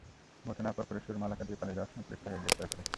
ঘটনার পরপরই সুরমা এলাকা দিয়ে পালিয়ে যাওয়ার সময় পুলিশ তাঁকে গ্রেপ্তার করে।